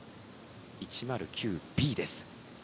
１０９Ｂです。